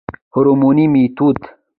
هورموني ميتود